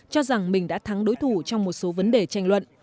cho rằng mình đã thắng đối thủ trong một số vấn đề tranh luận